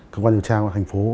cơ quan điều tra thành phố